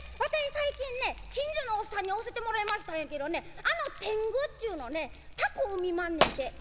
最近ね近所のおっさんに教えてもらいましたんやけどねあの天狗っちゅうのねタコ生みまんねんて。